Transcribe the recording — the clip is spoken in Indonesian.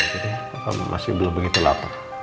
masih belum begitu lapar